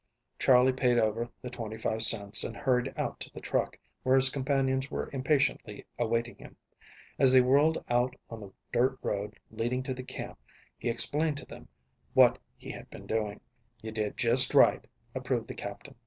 Charley paid over the twenty five cents and hurried out to the truck, where his companions were impatiently awaiting him. As they whirled out on the dirt road leading to the camp he explained to them what he had been doing. "You did just right," approved the Captain.